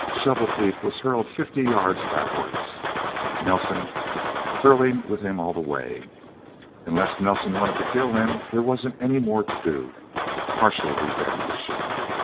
Shovel Teeth was hurled fifty yards backward, Nelsen hurtling with him all the way. Unless Nelsen wanted to kill him, there wasn't any more to do. Partial revenge.